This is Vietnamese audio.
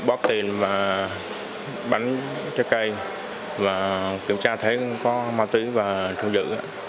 bóp tiền và bánh trái cây và kiểm tra thấy có ma túy và thu giữ